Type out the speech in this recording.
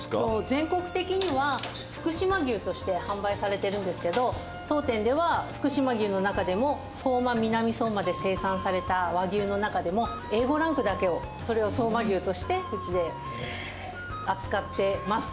全国的には福島牛として販売されてるんですけど当店では福島牛の中でも相馬南相馬で生産された和牛の中でもＡ５ランクだけをそれを相馬牛としてうちで扱ってます。